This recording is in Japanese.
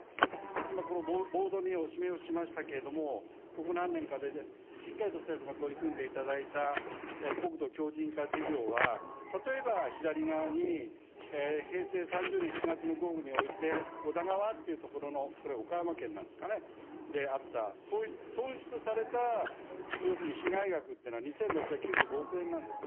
今、このボードにお示しをしましたけれども、ここ何年かでしっかりと政府が取り組んでいただいた国土強じん化事業は、例えば左側に、平成３０年７月の豪雨において、おだ川っていう所の、これ、岡山県なんですかね、であった損失された、要するに被害額というのは２６９５億円なんです。